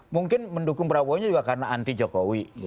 mungkin mendukung prabowonya juga karena anti jokowi